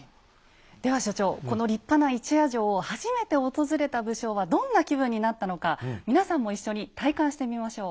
では所長この立派な一夜城を初めて訪れた武将はどんな気分になったのか皆さんも一緒に体感してみましょう。